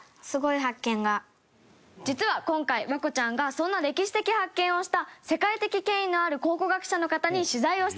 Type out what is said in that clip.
実は、今回、環子ちゃんがそんな歴史的発見をした世界的権威のある考古学者の方に取材をしてきてくれました。